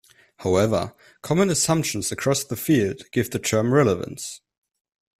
However, common assumptions across the field give the term relevance.